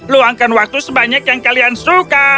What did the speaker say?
luangkan waktu sebanyak yang kalian suka